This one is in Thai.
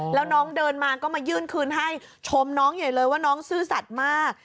แล้วน้องเดินมาก็มายื่นคืนให้ชมน้องใหญ่เลยว่าน้องซื่อสัตว์มาก